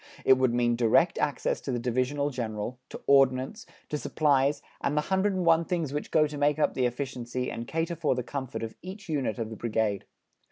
It would mean direct access to the Divisional General, to Ordnance, to supplies, and the hundred and one things which go to make up the efficiency and cater for the comfort of each unit of the Brigade.